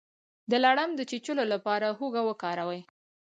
د لړم د چیچلو لپاره هوږه وکاروئ